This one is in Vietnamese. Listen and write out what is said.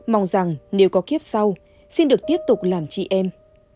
mong rằng nếu có kiếp sau xin được tiếp tục làm chị em